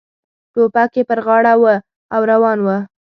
ټوپک یې پر غاړه و او روان و.